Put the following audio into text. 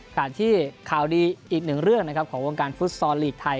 ขณะที่ข่าวดีอีกหนึ่งเรื่องนะครับของวงการฟุตซอลลีกไทย